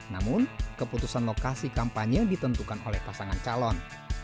namun keputusan lokasi kampanye ditentukan oleh pasangan calon